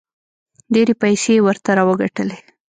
ډېرې پیسې یې ورته راوګټلې.